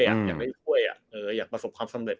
อยากได้ช่วยอยากประสบความสำเร็